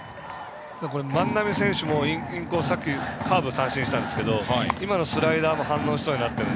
万波選手もさっきカーブ三振したんですけど今のスライダーも反応しそうになっていて。